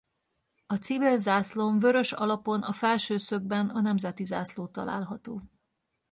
A civil zászlón vörös alapon a felső szögben a nemzeti zászló található.